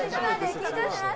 緊張します。